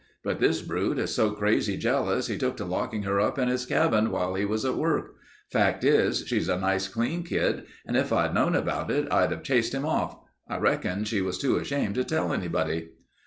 But this brute is so crazy jealous he took to locking her up in his cabin while he was at work. Fact is, she's a nice clean kid and if I'd known about it, I'd have chased him off. I reckon she was too ashamed to tell anybody.